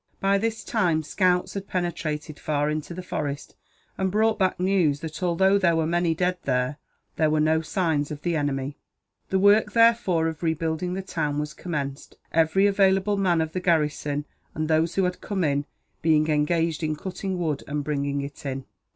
By this time, scouts had penetrated far into the forest, and brought back news that, although there were many dead there, there were no signs of the enemy. The work, therefore, of rebuilding the town was commenced; every available man of the garrison, and those who had come in, being engaged in cutting wood and bringing it in.